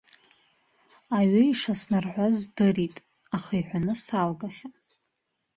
Аҩы ишыснарҳәаз здырит, аха иҳәаны салгахьан.